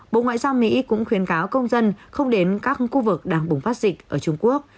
bộ ngoại giao mỹ cũng khuyến cáo công dân không đến các khu vực đang bùng phát dịch ở trung quốc